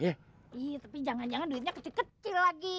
iya tapi jangan jangan duitnya kecil kecil lagi